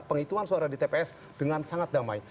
penghitungan suara di tps dengan sangat damai